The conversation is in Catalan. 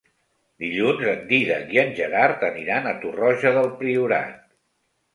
Dilluns en Dídac i en Gerard aniran a Torroja del Priorat.